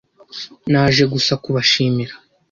Naje gusa kubashimira.